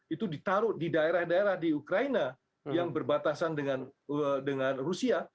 itu ditaruh di daerah daerah di ukraina yang berbatasan dengan rusia